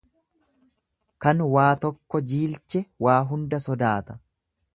Kan waa tokko jiilche waa hunda sodaata.